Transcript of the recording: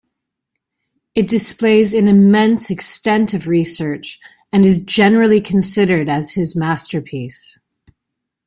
It displays an immense extent of research, and is generally considered as his masterpiece.